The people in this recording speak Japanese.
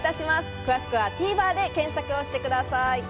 詳しくはＴＶｅｒで検索をしてください。